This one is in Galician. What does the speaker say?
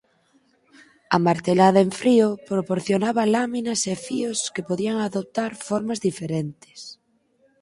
A martelada en frío proporcionaba láminas e fíos que podían adoptar formas diferentes.